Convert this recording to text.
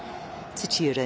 土浦